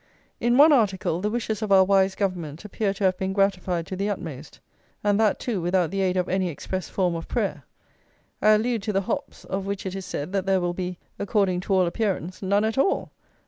In one article the wishes of our wise Government appear to have been gratified to the utmost; and that, too, without the aid of any express form of prayer. I allude to the hops, of which it is said that there will be, according to all appearance, none at all!